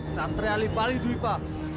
satri ali pali duwipa